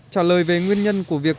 trả lời về nguyên nhân của việc